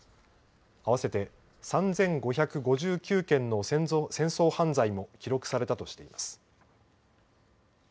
合わせて３５５９件の戦争犯罪も記録されたとしています。